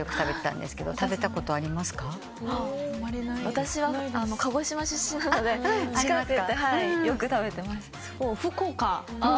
私は鹿児島出身なので近くてよく食べてました。